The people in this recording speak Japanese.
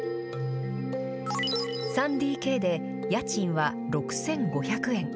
３ＤＫで、家賃は６５００円。